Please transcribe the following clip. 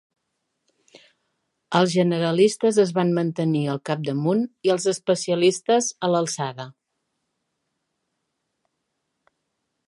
Els generalistes es van mantenir al capdamunt, i els especialistes a l'alçada.